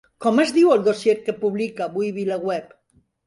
Com es diu el dossier que publica avui VilaWeb?